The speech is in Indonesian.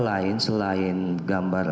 lain selain gambar